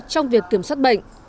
trong việc kiểm soát bệnh